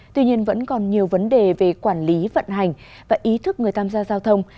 tuy nhiên vẫn còn nhiều vấn đề về quản lý vận hành và ý thức người tham gia giao thông